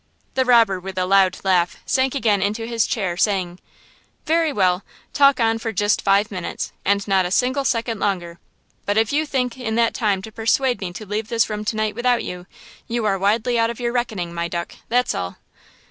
The robber, with a loud laugh, sank again into his chair, saying: "Very well, talk on for just five minutes, and not a single second longer; but if you think in that time to persuade me to leave this room to night without you, you are widely out of your reckoning, my duck, that's all."